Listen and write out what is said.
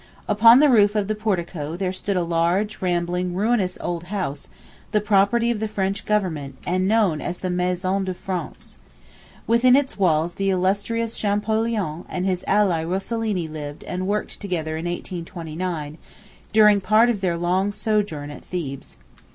Upon the roof of the portico there stood a large, rambling, ruinous old house, the property of the French Government, and known as the "Maison de France" ... Within its walls the illustrious Champollion and his ally Rosellini lived and worked together in 1829, during part of their long sojourn at Thebes.